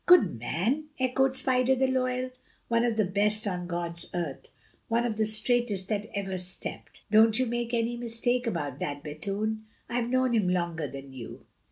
"Good man?" echoed Spicer the loyal. "One of the best on God's earth; one of the straightest that ever stepped. Don't you make any mistake about that, Bethune! I've known him longer than you."